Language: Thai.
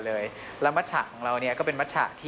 และมะชะของเราคือ